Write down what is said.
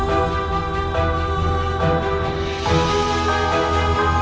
dari sang dewan